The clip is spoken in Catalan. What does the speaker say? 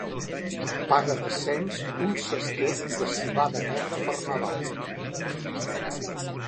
Paga de cens un sester de civada negra per Nadal.